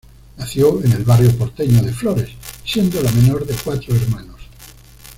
Nació en el barrio porteño de Flores, siendo la menor de cuatro hermanos.